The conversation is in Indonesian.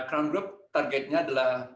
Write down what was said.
crown group targetnya adalah